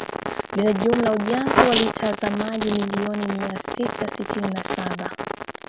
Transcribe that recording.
Lina jumla ya ujazo wa lita za maji milioni mia sita sitini na saba